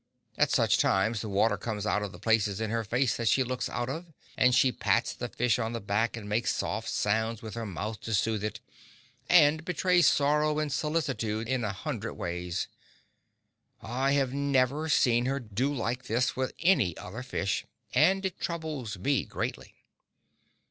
At such times the water comes out of the places in her face that she looks out of, and she pats the fish on the back and makes soft sounds with her mouth to soothe it, and betrays sorrow and solicitude in a hundred ways. I have never seen her do like this with any other fish, and it troubles me greatly.